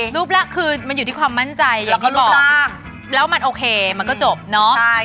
แล้วลูปล่ะคือมันอยู่ที่ความมั่นใจแล้วมันโอเคมันก็จบเนอะ